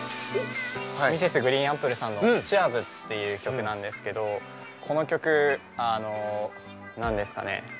Ｍｒｓ．ＧＲＥＥＮＡＰＰＬＥさんの「ＣＨＥＥＲＳ」っていう曲なんですけどこの曲何ですかね